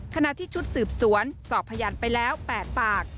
ขณะที่ชุดสืบสวนสอบพยานไปแล้ว๘ปาก